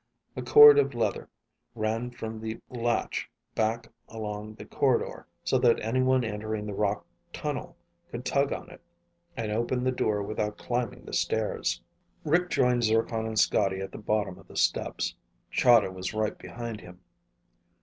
A cord of leather ran from the latch back along the corridor so that anyone entering the rock tunnel could tug on it and open the door without climbing the stairs. Rick joined Zircon and Scotty at the bottom of the steps. Chahda was right behind him.